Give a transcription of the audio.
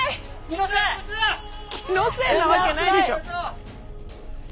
気のせいなわけないでしょ！